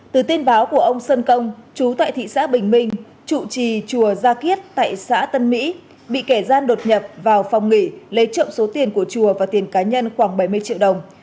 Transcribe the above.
từ tin báo của ông sơn công chú tại thị xã bình minh chủ trì chùa gia kiết tại xã tân mỹ bị kẻ gian đột nhập vào phòng nghỉ lấy trộm số tiền của chùa và tiền cá nhân khoảng bảy mươi triệu đồng